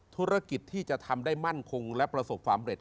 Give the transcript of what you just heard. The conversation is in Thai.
ธุรกิจที่จะทำได้มั่นคงและประสบความเร็จ